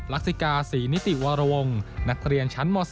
รักษิกาศรีนิติวรวงนักเรียนชั้นม๔